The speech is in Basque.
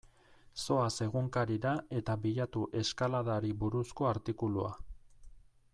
Zoaz egunkarira eta bilatu eskaladari buruzko artikulua.